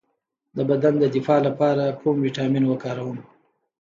د بدن د دفاع لپاره کوم ویټامین وکاروم؟